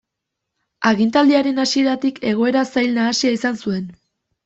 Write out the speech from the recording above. Agintaldiaren hasieratik egoera zail nahasia izan zuen.